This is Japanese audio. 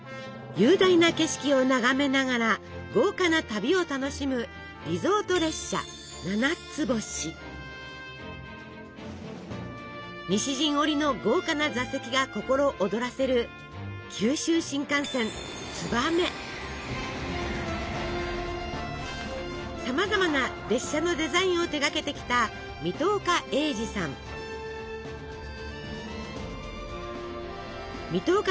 雄大な景色を眺めながら豪華な旅を楽しむリゾート列車西陣織の豪華な座席が心躍らせるさまざまな列車のデザインを手がけてきた水戸岡さん